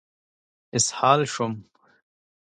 اسهال شوم.